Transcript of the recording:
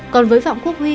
còn với phạm quốc huy